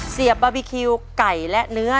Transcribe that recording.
เสียบบาร์บีคิวไก่และเนื้อ